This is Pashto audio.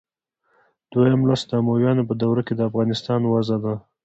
دویم لوست د امویانو په دوره کې د افغانستان وضع ده.